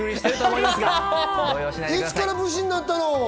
いつから武士になったの？